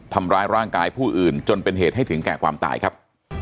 ทำร้ายร่างกายผู้อื่นจนเป็นเหตุให้ถึงแก่ความตายครับ